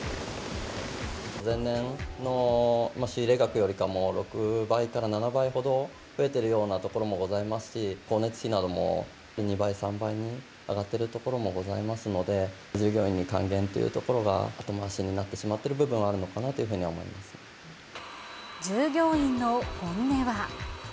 前年の仕入れ額よりか、６倍から７倍ほど増えてるようなところもございますし、光熱費なども２倍、３倍に上がってるところもございますので、従業員に還元というところが後回しになってしまってる部分はある従業員の本音は。